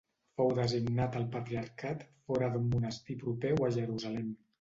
Fou designat al patriarcat fora d'un monestir proper o a Jerusalem.